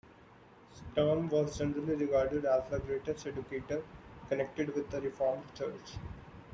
Sturm was generally regarded as the greatest educator connected with the Reformed Church.